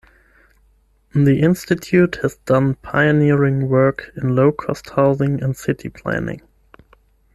The institute has done pioneering work in low cost housing and city planning.